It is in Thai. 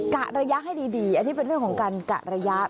กะระยะให้ดีอันนี้เป็นเรื่องของการกะระยะ